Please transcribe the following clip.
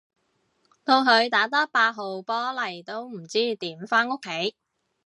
到佢打得八號波嚟都唔知點返屋企